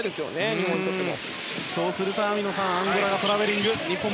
日本にとっても。